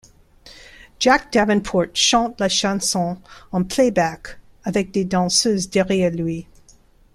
Jack Davenport chante la chanson en playback avec des danseuses derrière lui.